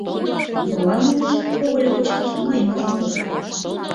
— Молан, манеш, когыльо кочкаш мыйым ӱжын отыл?